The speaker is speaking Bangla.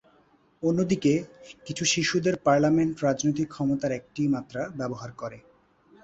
অন্যদিকে, কিছু শিশুদের পার্লামেন্ট রাজনৈতিক ক্ষমতার একটি মাত্রা ব্যবহার করে।